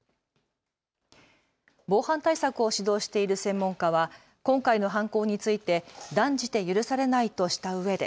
防犯対策を指導している専門家は今回の犯行について断じて許されないとしたうえで。